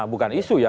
bukan isu ya